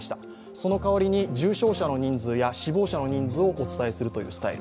その代わりに重症者の人数や死亡者の人数をお伝えするというスタイル。